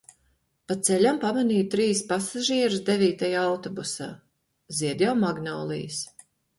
Pa ceļam pamanīju trīs pasažierus devītajā autobusā. Zied jau magnolijas.